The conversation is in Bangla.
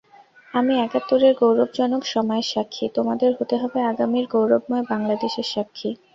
আমি একাত্তরের গৌরবজনক সময়ের সাক্ষী, তোমাদের হতে হবে আগামীর গৌরবময় বাংলাদেশের সাক্ষী।